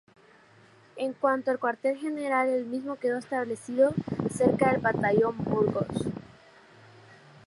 En cuanto al cuartel general, el mismo quedó establecido cerca del batallón Burgos.